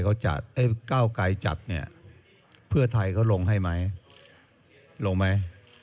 ครั้งที่แล้วก้าวกายจัดเนี่ยเพื่อไทยเขาลงให้ไหมลงไหม